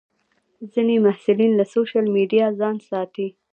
ځینې محصلین له سوشیل میډیا ځان ساتي.